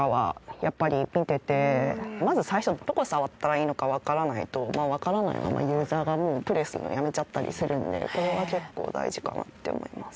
まず最初どこ触ったらいいのかわからないとわからないままユーザーがもうプレーするのをやめちゃったりするのでこれは結構大事かなって思います。